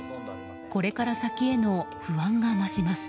これから先への不安が増します。